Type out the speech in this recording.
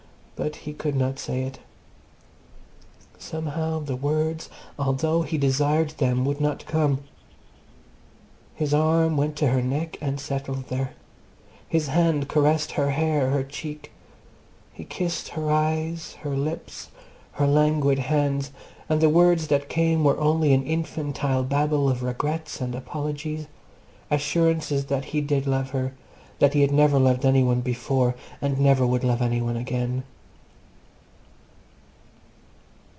But he could not say it. Somehow the words, although he desired them, would not come. His arm went to her neck and settled there. His hand caressed her hair, her cheek. He kissed her eyes, her lips, her languid hands; and the words that came were only an infantile babble of regrets and apologies, assurances that he did love her, that he had never loved any one before, and never would love any one again.